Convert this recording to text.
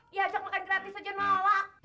diajak makan gratis aja nolak